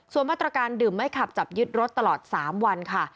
ส่วนมาตรการดื่มไม่ขับจับยึดรถตลอด๓วันค่ะ